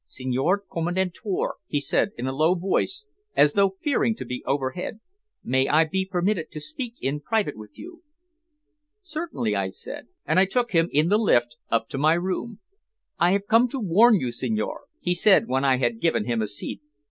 "Signor Commendatore," he said in a low voice, as though fearing to be overheard, "may I be permitted to speak in private with you?" "Certainly," I said, and I took him in the lift up to my room. "I have come to warn you, signore," he said, when I had given him a seat.